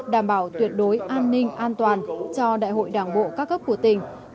đảm bảo tuyệt đối an ninh an toàn cho đại hội đảng bộ các cấp của tỉnh